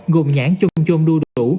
gồm nhãn chôm chôm đu đủ